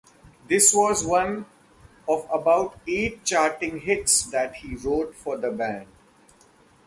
This was one of about eight charting hits that he wrote for the band.